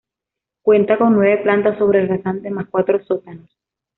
Cuenta con nueve plantas sobre rasante más cuatro sótanos.